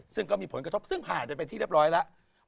ซึ่งก็มีผลกระทบซึ่งหายไปเป็นที่เรียบร้อยแล้ว